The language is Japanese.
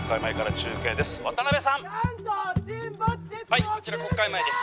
はいこちら国会前です